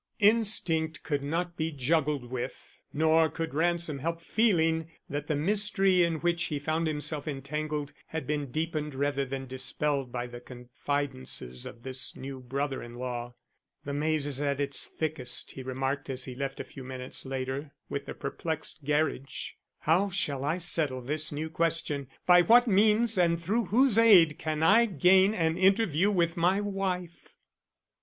Instinct could not be juggled with, nor could Ransom help feeling that the mystery in which he found himself entangled had been deepened rather than dispelled by the confidences of this new brother in law. "The maze is at its thickest," he remarked as he left a few minutes later with the perplexed Gerridge. "How shall I settle this new question? By what means and through whose aid can I gain an interview with my wife?"